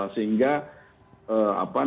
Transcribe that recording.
sehingga apa ya